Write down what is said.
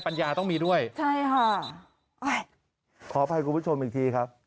ัญญาต้องมีด้วยใช่ค่ะขออภัยคุณผู้ชมอีกทีครับ